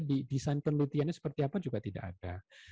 di desain penelitiannya seperti apa juga tidak ada